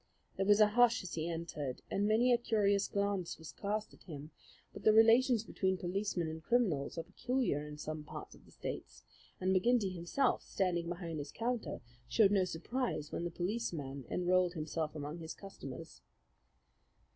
There was a hush as he entered, and many a curious glance was cast at him; but the relations between policemen and criminals are peculiar in some parts of the States, and McGinty himself, standing behind his counter, showed no surprise when the policeman enrolled himself among his customers.